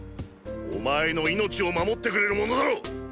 お前の生命を護ってくれる物だろ！